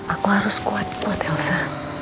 aku harus kuat buat elsa